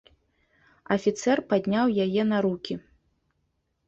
Афіцэр падняў яе на рукі.